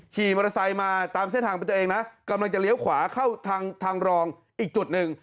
ขี่มอเตอร์ไซค์มาตามเส้นทางเป็นตัวเองนะกำลังจะเลี้ยวขวาเข้าทางทางรองอีกจุดหนึ่ง